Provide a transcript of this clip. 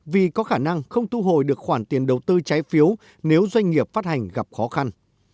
vì có khả năng không thu hồi được khoản tiền đầu tư trái phiếu nếu doanh nghiệp phát hành gặp khó khăn